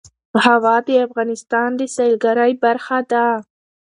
هوا د افغانستان د سیلګرۍ برخه ده.